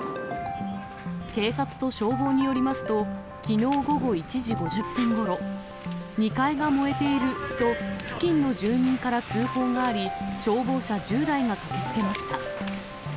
警察と消防によりますと、きのう午後１時５０分ごろ、２階が燃えていると、付近の住民から通報があり、消防車１０台が駆けつけました。